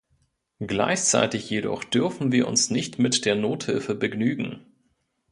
Gleichzeitig jedoch dürfen wir uns nicht mit der Nothilfe begnügen.